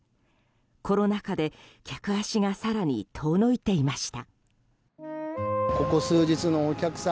コロナ禍で客足が更に遠のいていました。